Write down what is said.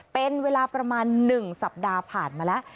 เป็นเวลาประมาณ๑สัปดาห์ผ่านมาแล้ว